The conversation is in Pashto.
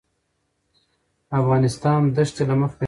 افغانستان د ښتې له مخې پېژندل کېږي.